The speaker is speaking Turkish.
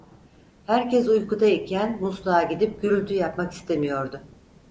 Herkes uykuda iken musluğa gidip gürültü yapmak istemiyordu.